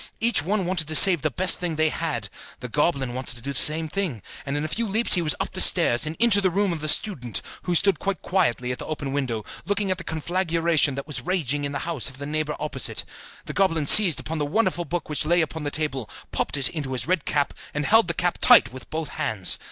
Each one wanted to save the best thing they had; the goblin wanted to do the same thing, and in a few leaps he was up the stairs, and into the room of the student, who stood quite quietly at the open window, looking at the conflagration that was raging in the house of the neighbour opposite. The goblin seized upon the wonderful book which lay upon the table, popped it into his red cap, and held the cap tight with both hands.